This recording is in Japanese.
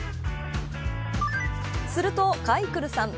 すると、買いクルさん